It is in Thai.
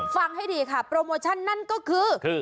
ฟังให้ดีค่ะโปรโมชั่นนั่นก็คือ